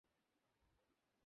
তবে ব্যাপারটা জোশ।